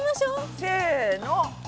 せの！